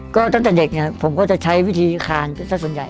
ก็ตั้งแต่เด็กเนี่ยผมก็จะใช้วิธีคานสักส่วนใหญ่